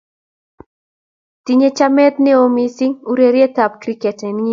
Tinyei chameet neo mising urerietab kriket eng india